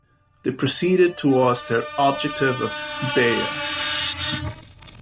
They proceeded towards their objective of Bayeux.